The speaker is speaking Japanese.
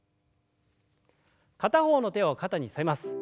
片方の手を肩にのせます。